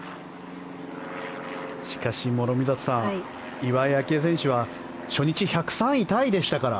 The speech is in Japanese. しかし、諸見里さん岩井明愛選手は初日１０３位タイでしたから。